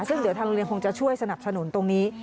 ซึ่งเดี๋ยวทางโรงเรียนคงจะช่วยสนับสนุนตรงนี้